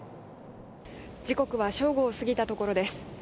時刻は正午を過ぎたところです。